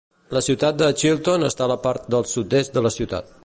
La ciutat de Chilton està a la part del sud-est de la ciutat.